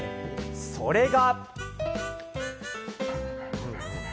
それが。